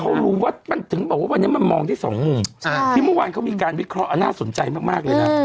เขารู้ว่ามันถึงบอกว่าวันนี้มันมองได้สองมุมที่เมื่อวานเขามีการวิเคราะห์น่าสนใจมากเลยนะ